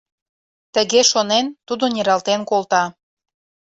Тыге шонен, тудо нералтен колта.